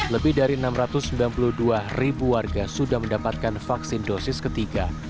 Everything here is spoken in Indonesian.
lebih dari enam ratus sembilan puluh dua ribu warga sudah mendapatkan vaksin dosis ketiga